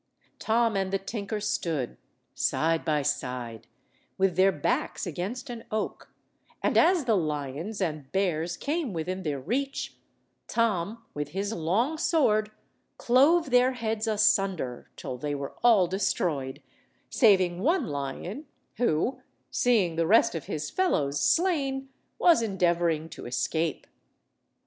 Tom and the tinker stood, side by side, with their backs against an oak, and as the lions and bears came within their reach, Tom, with his long sword, clove their heads asunder till they were all destroyed, saving one lion who, seeing the rest of his fellows slain, was endeavouring to escape.